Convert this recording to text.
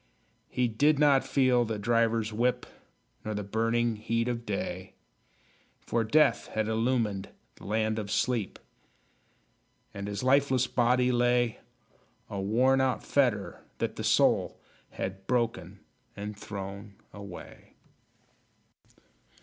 He did not feel the driver's whip, Nor the burning heat of day; For Death had illumined the Land of Sleep, And his lifeless body lay A worn out fetter, that the soul Had broken and thrown away!